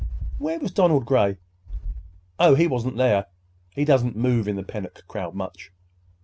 "Where was Donald Gray?" "Oh, he wasn't there. He doesn't move in the Pennock crowd much.